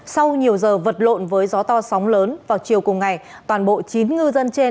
sau nhiều giờ vật lộn với gió to sóng lớn vào chiều cùng ngày toàn bộ chín ngư dân trên